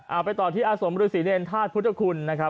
เอาไปต่อที่อาสมฤษีเนรธาตุพุทธคุณนะครับ